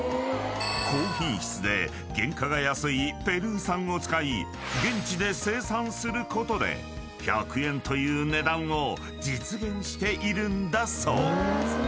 ［ペルー産を使い現地で生産することで１００円という値段を実現しているんだそう］